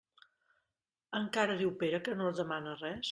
Encara diu Pere que no demana res?